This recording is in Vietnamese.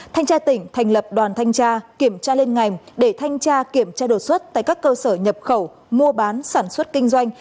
thanh tra tỉnh thành lập đoàn thanh tra kiểm tra lên ngành để thanh tra kiểm tra đột xuất tại các cơ sở nhập khẩu mua bán sản xuất kinh doanh